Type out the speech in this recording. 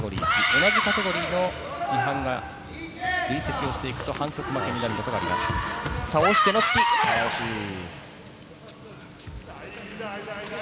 同じカテゴリーの違反が累積していくと反則負けになります。